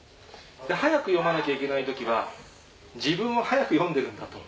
速く読まなきゃいけない時は自分は速く読んでるんだと。